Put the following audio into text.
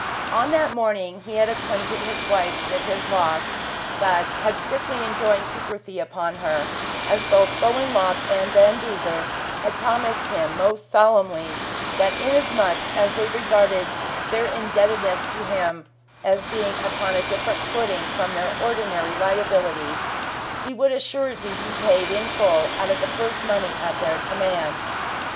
On that morning he had acquainted his wife with his loss, but had strictly enjoined secrecy upon her, as both Gowanlock and Van Duzer had promised him most solemnly that inasmuch as they regarded their indebtedness to him as being upon a different footing from their ordinary liabilities, he should assuredly be paid in full out of the first money at their command.